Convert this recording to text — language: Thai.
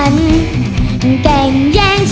เรียกประกันแล้วยังคะ